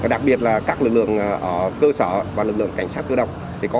đặc biệt là các lực lượng ở cơ sở và lực lượng cảnh sát cơ động